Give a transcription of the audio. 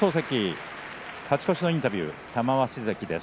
勝ち越しのインタビュー玉鷲です。